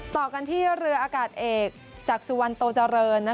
ต่อกันที่เรืออากาศเอกจากสุวรรณโตเจริญ